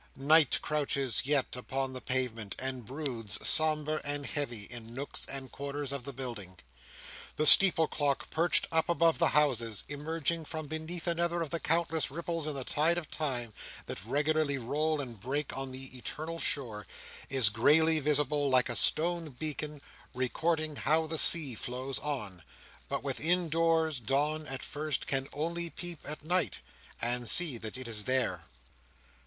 Night crouches yet, upon the pavement, and broods, sombre and heavy, in nooks and corners of the building. The steeple clock, perched up above the houses, emerging from beneath another of the countless ripples in the tide of time that regularly roll and break on the eternal shore, is greyly visible, like a stone beacon, recording how the sea flows on; but within doors, dawn, at first, can only peep at night, and see that it is there.